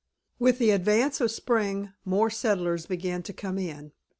With the advance of spring more settlers began to come in.